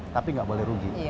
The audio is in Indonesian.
tapi nggak boleh rugi